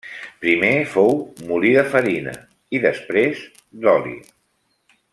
Primer fou molí de farina i després d'oli.